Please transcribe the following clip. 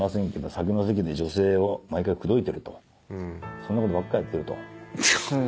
そんなことばっかりやってると。